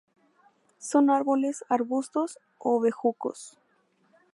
Son árboles, arbustos, o bejucos.